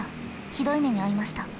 ひどい目に遭いました。